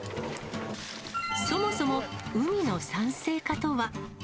そもそも海の酸性化とは？